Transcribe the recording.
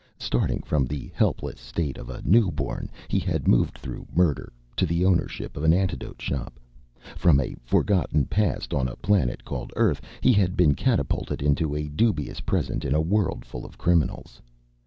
Starting from the helpless state of a newborn, he had moved through murder to the ownership of an antidote shop. From a forgotten past on a planet called Earth, he had been catapulted into a dubious present in a world full of criminals.